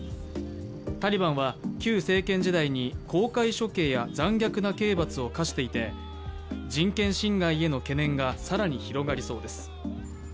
タリバンは旧政権時代に公開処刑や残虐な刑罰を科していて、人権侵害への懸念が更に広がりそうです。